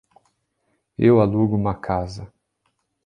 Eu alugo uma casa.